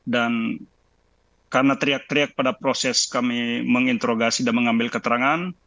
dan karena teriak teriak pada proses kami menginterogasi dan mengambil keterangan